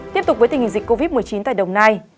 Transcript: tiếp tục với tình hình dịch covid một mươi chín tại đồng nai